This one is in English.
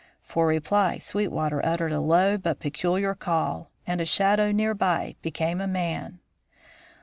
For reply, Sweetwater uttered a low but peculiar call, and a shadow near by became a man.